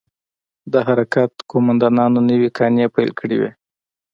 د حرکت قومندانانو نوې کانې پيل کړې وې.